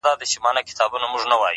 د نيمي شپې د خاموشۍ د فضا واړه ستـوري’